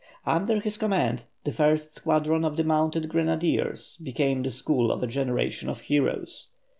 Under his command the first squadron of the mounted grenadiers became the school of a generation of heroes.